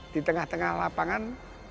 di tengah tengah lapangan